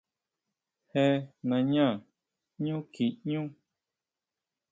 ¿Jé nañá ʼñú kjiñú?